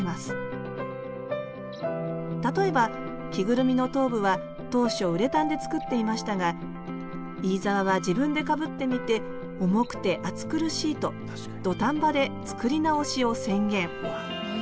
例えば着ぐるみの頭部は当初ウレタンで作っていましたが飯沢は自分でかぶってみて重くて暑苦しいと土壇場で作り直しを宣言。